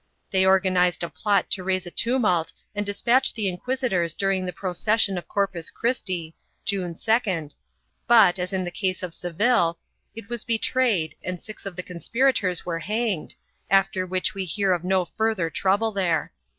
They organized a plot to raise a tumult and despatch the inquisitors during the procession of Corpus Christ! (June 2d) but, as in the case of Seville, it was betrayed and six of the con spirators were hanged, after which we hear of no further trouble there.